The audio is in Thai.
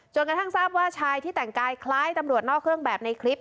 กระทั่งทราบว่าชายที่แต่งกายคล้ายตำรวจนอกเครื่องแบบในคลิป